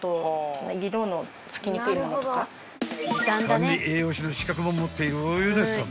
［管理栄養士の資格も持っているおよねさん］